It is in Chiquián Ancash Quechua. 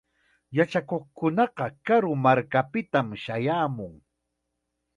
Yachakuqkunaqa karu markakunapitam shayaamun.